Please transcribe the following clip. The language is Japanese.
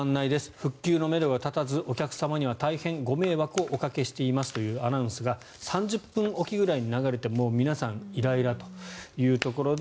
復旧のめどが立たずお客様には大変ご迷惑をおかけしていますというアナウンスが３０分おきぐらいに流れて皆さん、イライラというところで